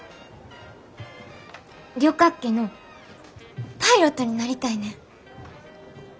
旅客機のパイロットになりたいねん。